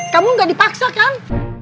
kamu enggak dipaksa kan